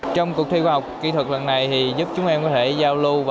trong cuộc thi khoa học kỹ thuật lần này thì giúp chúng em có thể giao lưu